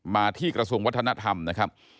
มาที่กระทรวงวัฒนธรรมนะครับ